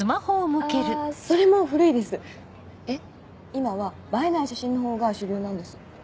今は映えない写真の方が主流なんです。